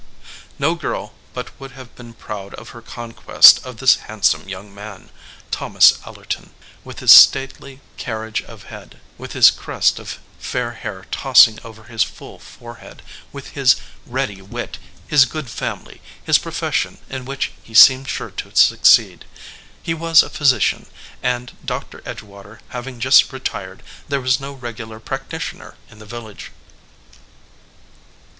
No girl but would have been proud of her conquest of this handsome young man, Thomas Ellerton, with his stately carriage of head, with his crest of fair hair tossing over his full fore head, with his ready wit, his good family, his pro fession in which he seemed sure to succeed. He was a physician, and, Doctor Edgewater having just retired, there was no regular practitioner in the village.